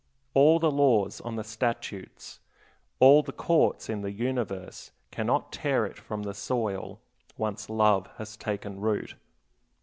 All the laws on the statutes, all the courts in the universe, cannot tear it from the soil, once love has taken root.